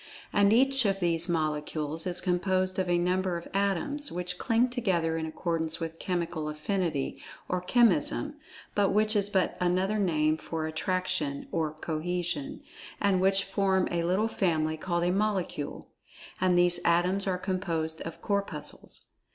And each of these Molecules is composed of a number of Atoms, which cling together in accordance with Chemical Affinity, or Chemism—but which is but another name for Attraction, or Cohesion—and which form a little family, called a Molecule. And these Atoms are composed of Corpuscles.